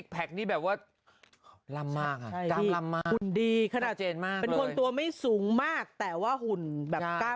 ก๋วยเตี๋ยวไก่เนอะขอบคุณโต้